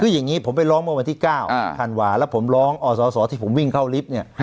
คืออย่างนี้ผมไปร้องเมื่อวันที่๙ธันวาแล้วผมร้องอสอที่ผมวิ่งเข้าลิฟต์เนี่ย